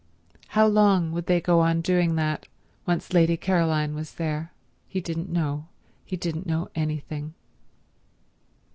How long would they go on doing that once Lady Caroline was there? He didn't know; he didn't know anything.